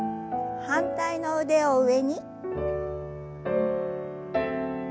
反対の腕を上に。